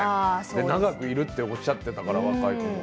で長くいるっておっしゃってたから若い子も。